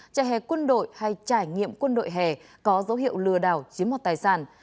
trại hè quân đội hay trải nghiệm quân đội hè có dấu hiệu lừa đảo chiếm mọt tài sản